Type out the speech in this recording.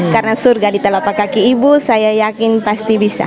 karena surga di telapak kaki ibu saya yakin pasti bisa